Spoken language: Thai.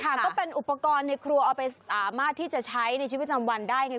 ก็เป็นอุปกรณ์ในครัวเอาไปสามารถที่จะใช้ในชีวิตจำวันได้ไง